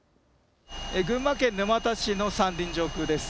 群馬県沼田市の山林上空です。